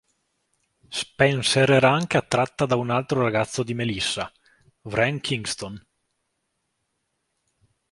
Spencer era anche attratta da un altro ragazzo di Melissa, Wren Kingston.